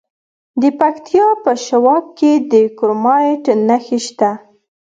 د پکتیا په شواک کې د کرومایټ نښې شته.